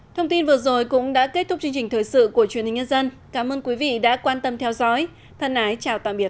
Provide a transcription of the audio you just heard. thông tin vừa rồi cũng đã kết thúc chương trình thời sự của truyền hình nhân dân cảm ơn quý vị đã quan tâm theo dõi thân ái chào tạm biệt